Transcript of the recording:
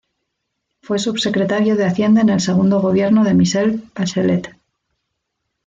Fue subsecretario de Hacienda en el segundo gobierno de Michelle Bachelet.